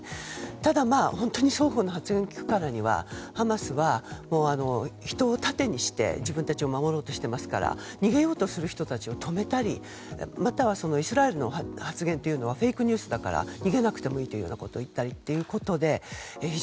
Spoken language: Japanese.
ただ、本当に双方の発言を聞くからにはハマスは、人を盾にして自分たちを守ろうとしてますから逃げようとする人たちを止めたりまたイスラエルの発言はフェイクニュースだから逃げなくてもいいということを言ったりということで。